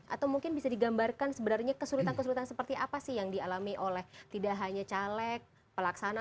atau mungkin bisa digambarkan sebenarnya kesulitan kesulitan seperti apa sih yang dialami oleh tidak hanya caleg pelaksana